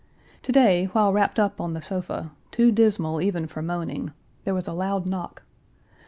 To day, while wrapped up on the sofa, too dismal even for moaning, there was a loud knock.